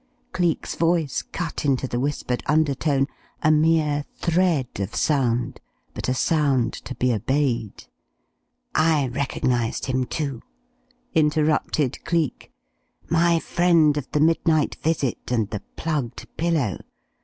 Cleek's voice cut into the whispered undertone, a mere thread of sound, but a sound to be obeyed. "I recognized him, too," interrupted Cleek. "My friend of the midnight visit, and the plugged pillow.